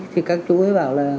thì các chủ ấy bảo là